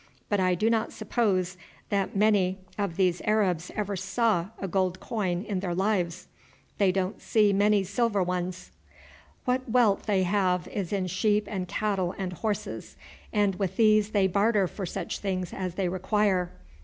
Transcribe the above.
But I do not suppose many of these Arabs ever saw a gold coin in their lives. They don't see many silver ones. What wealth they have is in sheep and cattle and horses, and with these they barter for such things as they require.